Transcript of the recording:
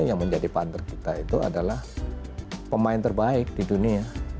yang menjadi partner kita itu adalah pemain terbaik di dunia